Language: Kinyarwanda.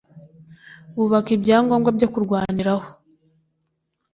bubaka ibya ngombwa byo kurwaniraho